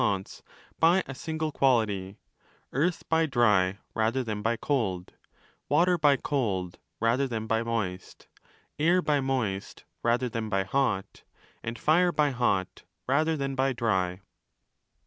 331° DE GENERATIONE ET CORRUPTIONE by a single quality: Earth by dry rather than by cold, 5 Water by cold rather than by moist, Air by moist rather than by hot, and Fire by hot rather than by dry.